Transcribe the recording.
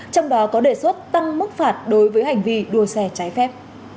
trong đó có đề xuất tăng mức phạt đối với hành vi đua xe trái phép